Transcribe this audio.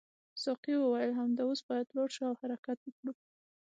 ساقي وویل همدا اوس باید لاړ شو او حرکت وکړو.